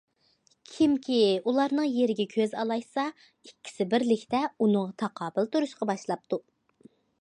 كىمكى ئۇلارنىڭ يېرىگە كۆز ئالايتسا ئىككىسى بىرلىكتە ئۇنىڭغا تاقابىل تۇرۇشقا باشلاپتۇ.